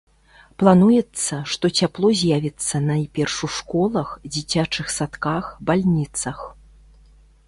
Плануецца, што цяпло з'явіцца найперш у школах, дзіцячых садках, бальніцах.